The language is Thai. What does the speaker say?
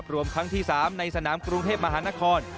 รวมครั้งที่๓ในสนามกรุงเทพมหานคร